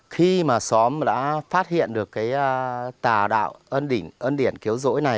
khi mà xóm đã phát hiện được cái tà đạo ơn điển kiếu dỗi này